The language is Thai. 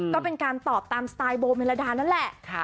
ก็เป็นการตอบตามสไตล์โบเมลดานั่นแหละ